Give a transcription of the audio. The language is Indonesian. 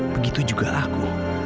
begitu juga aku